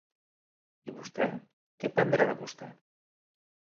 I vostè, què prendrà de vostè?